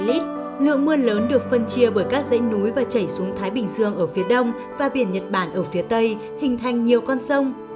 lượng mưa lớn được phân chia bởi các dãy núi và chảy xuống thái bình dương ở phía đông và biển nhật bản ở phía tây hình thành nhiều con sông